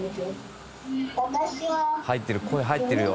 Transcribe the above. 入ってる声入ってるよ。